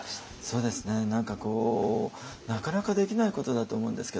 そうですね何かこうなかなかできないことだと思うんですけど